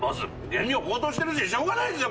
燃料高騰してるししょうがないですよ。